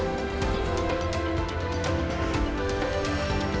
kita sudah berjalan dengan baik